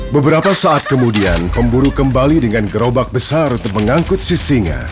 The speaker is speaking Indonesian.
beberapa saat kemudian pemburu kembali dengan gerobak besar untuk mengangkut sisinga